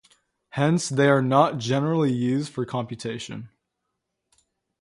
Hence they are not generally used for computation.